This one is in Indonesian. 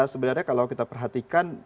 sebenarnya kalau kita perhatikan